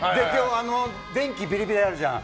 あと電気ビリビリあるじゃん。